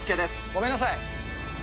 ごめんなさい。